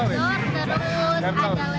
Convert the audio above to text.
terus ada leh musiknya